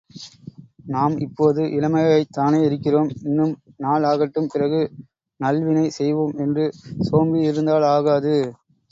நாம் இப்போது இளமைாய்த்தானே இருக்கிறோம் இன்னும் நாள் ஆகட்டும் பிறகு நல்வினை செய்வோம் என்று சோம்பியிருந்தலாகாது.